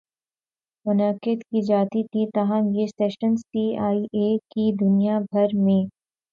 منعقد کی جاتی تھیں تاہم یہ سیشنز سی آئی اے کی دنیا بھر می